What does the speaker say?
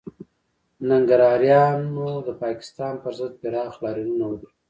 ننګرهاریانو د پاکستان پر ضد پراخ لاریونونه وکړل